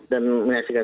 dan menyaksikan saksi